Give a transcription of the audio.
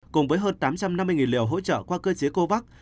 cùng với hơn tám trăm năm mươi liều liệu hỗ trợ qua cơ chế covax